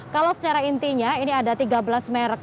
kalau secara intinya ini ada tiga belas merek